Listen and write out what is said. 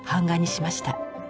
しました。